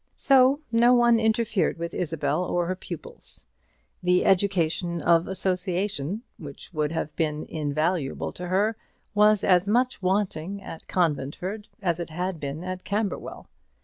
So no one interfered with Isabel or her pupils. The education of association, which would have been invaluable to her, was as much wanting at Conventford as it had been at Camberwell.